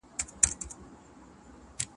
بنارس لکه بڼکه د تاووس دی